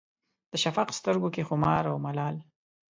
د شفق سترګو کې خمار او ملال